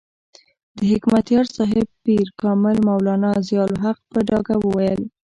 د حکمتیار صاحب پیر کامل مولانا ضیاء الحق په ډاګه وویل.